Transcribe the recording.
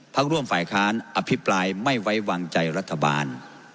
ร่วมฝ่ายค้านอภิปรายไม่ไว้วางใจรัฐบาล